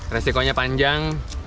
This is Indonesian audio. ya ini memang